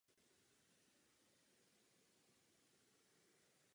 Já se odvolávám na tento článek.